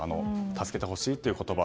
助けてほしいという言葉